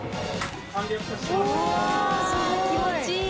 Δ錣気持ちいい！